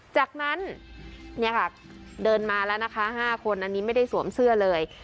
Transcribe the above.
จากนั้นเนี่ยค่ะเดินมาแล้วนะคะ๕คนอันนี้ไม่ได้สวมเสื้อเลย